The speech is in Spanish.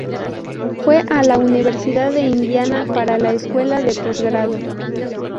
Fue a la Universidad de Indiana para la escuela de posgrado.